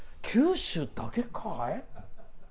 九州だけかい？